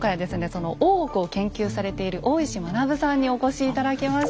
その大奥を研究されている大石学さんにお越し頂きました。